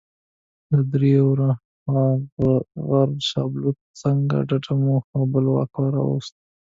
له درې ورهاخوا غر او د شابلوط ځنګله ډډه مو په خپل واک راوسته.